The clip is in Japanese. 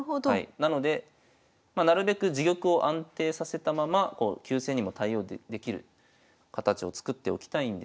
なのでなるべく自玉を安定させたまま急戦にも対応できる形を作っておきたいんですが。